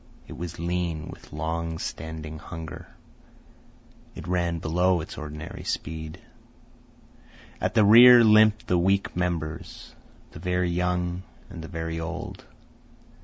It was lean with long standing hunger. It ran below its ordinary speed. At the rear limped the weak members, the very young and the very old.